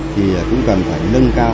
thì cũng cần phải nâng cao